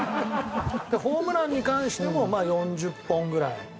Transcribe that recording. ホームランに関しても４０本ぐらい。